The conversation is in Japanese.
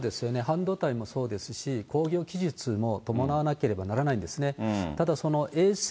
半導体もそうですし、工業技術も伴わなければならないんですね。